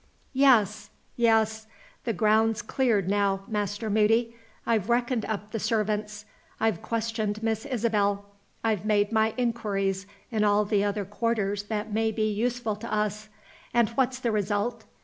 Yes! yes! the ground's cleared now, Master Moody. I've reckoned up the servants; I've questioned Miss Isabel; I've made my inquiries in all the other quarters that may be useful to us and what's the result?